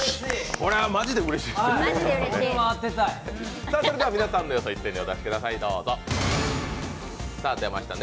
これはマジでうれしいですよね。